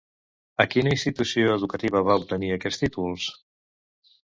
A quina institució educativa va obtenir aquests títols?